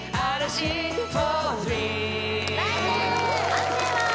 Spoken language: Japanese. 判定は？